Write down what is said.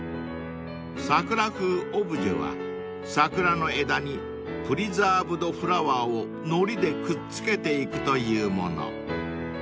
［さくら風オブジェは桜の枝にプリザーブドフラワーをのりでくっつけていくというもの］